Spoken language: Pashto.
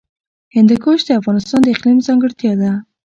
هندوکش د افغانستان د اقلیم ځانګړتیا ده.